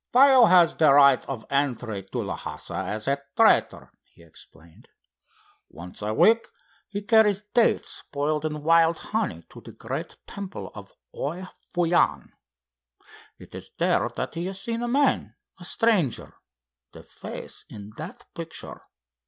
"Faiow has the right of entry to Lhassa as a trader," he explained. "Once a week he carries dates boiled in wild honey to the great temple of Oi Fou Jan. It is there that he has seen a man, a stranger, the face in that picture.